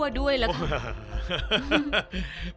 ผมดูออกเลยนะว่าลูกเล็กเนี่ยมันสุกทั่วทั้งลูก